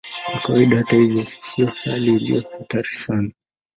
Kwa kawaida, hata hivyo, sio hali iliyo hatari sana.